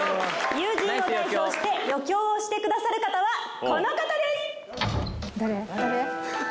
友人を代表して余興をしてくださる方はこの方です・誰？